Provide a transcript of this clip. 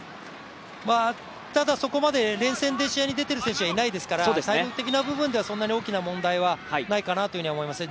ただそこまで連戦で試合に出ている選手はいないですから体力的な部分ではそんなに大きな問題ではないかと思いますね。